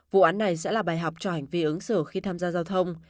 vụ án này sẽ là bài học cho hành vi ứng xử khi tham gia giao thông